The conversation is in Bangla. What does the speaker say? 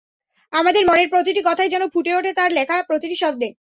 আমাদের মনের প্রতিটি কথাই যেন ফুটে ওঠে তার লেখা প্রতিটি শব্দে।